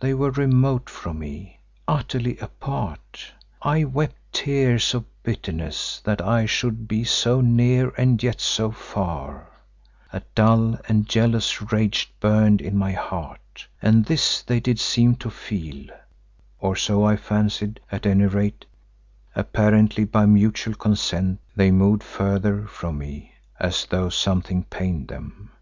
They were remote from me, utterly apart. I wept tears of bitterness that I should be so near and yet so far; a dull and jealous rage burned in my heart, and this they did seem to feel, or so I fancied; at any rate, apparently by mutual consent, they moved further from me as though something pained them.